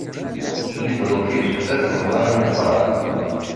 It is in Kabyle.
LibreOffice d aseɣzan ameqqran.